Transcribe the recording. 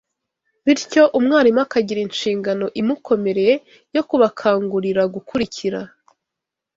bityo umwarimu akagira inshingano imukomereye yo kubakangurira gukurikira